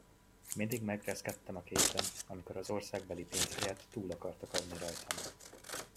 Mindig megreszkettem a kézben, amikor az országbeli pénz helyett túl akartak adni rajtam.